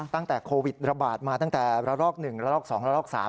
ตั้งแต่โควิดระบาดมาตั้งแต่ระลอก๑ระลอก๒ระลอก๓